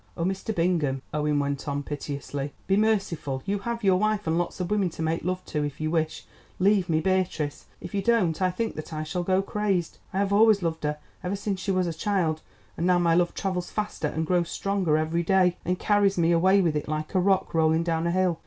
Oh, Mr. Bingham," Owen went on piteously, "be merciful—you have your wife and lots of women to make love to if you wish—leave me Beatrice. If you don't I think that I shall go crazed. I have always loved her, ever since she was a child, and now my love travels faster and grows stronger every day, and carries me away with it like a rock rolling down a hill.